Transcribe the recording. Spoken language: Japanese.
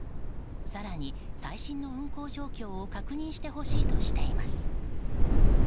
更に、最新の運行状況を確認してほしいとしています。